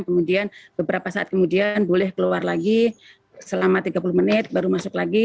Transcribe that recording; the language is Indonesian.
kemudian beberapa saat kemudian boleh keluar lagi selama tiga puluh menit baru masuk lagi